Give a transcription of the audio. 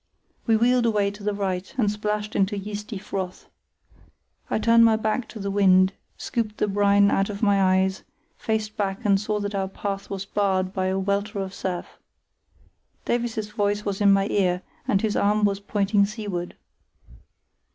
We wheeled away to the right, and splashed into yeasty froth. I turned my back to the wind, scooped the brine out of my eyes, faced back and saw that our path was barred by a welter of surf. Davies's voice was in my ear and his arm was pointing seaward.